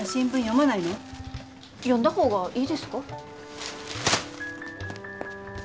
読んだ方がいいですか？